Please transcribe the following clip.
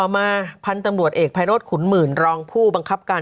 มาพันธุ์ตำรวจเอกภัยโรธขุนหมื่นรองผู้บังคับการ